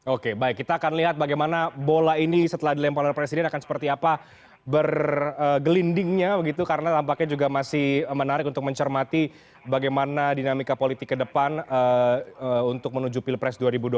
oke baik kita akan lihat bagaimana bola ini setelah dilempar oleh presiden akan seperti apa bergelindingnya begitu karena tampaknya juga masih menarik untuk mencermati bagaimana dinamika politik ke depan untuk menuju pilpres dua ribu dua puluh